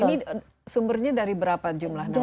ini sumbernya dari berapa jumlah nama